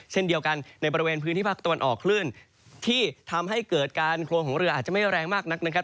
เช่นเดียวกันในบริเวณพื้นที่ภาคตะวันออกคลื่นที่ทำให้เกิดการโครงของเรืออาจจะไม่แรงมากนักนะครับ